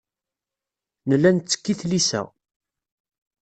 Nella nettekk i tlisa.